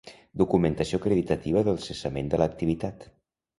Documentació acreditativa del cessament de l'activitat.